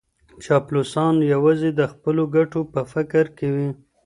چاپلوسان یوازې د خپلو ګټو په فکر کي وي.